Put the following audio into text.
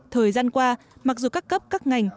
thời gian qua mặc dù các cấp các ngành